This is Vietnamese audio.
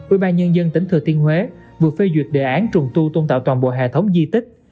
ubnd tỉnh thừa thiên huế vừa phê duyệt đề án trùng tu tôn tạo toàn bộ hệ thống di tích